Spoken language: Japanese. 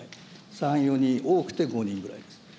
３、４人、多くて５人ぐらいです。